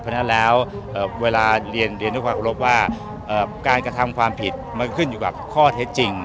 เพราะฉะนั้นแล้วเวลาเรียนด้วยความอุรบว่าการกระทำความผิดมันขึ้นอยู่กับข้อเท็จจริง